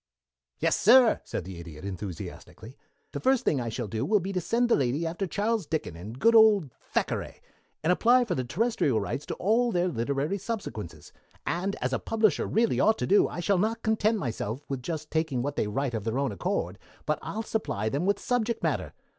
"Yes, sir," said the Idiot enthusiastically. "The first thing I shall do will be to send the lady after Charles Dickens and good old Thackeray, and apply for the terrestrial rights to all their literary subsequences, and, as a publisher really ought to do, I shall not content myself with just taking what they write of their own accord, but I'll supply them with subject matter.